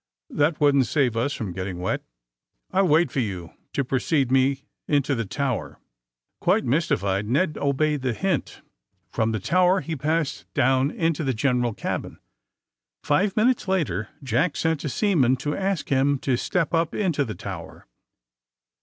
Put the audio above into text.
^^That wouldn't save us from getting wet. I'll wait for you to precede me into the tower.'* Quite mystified Ned obeyed the hint. From the tower he passed down into the general cabin. Five minutes later Jack sent a seaman to ask him to step up into the tower.